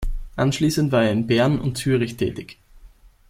Anschließend war er in Bern und Zürich tätig.